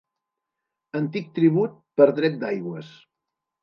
Antic tribut per dret d'aigües.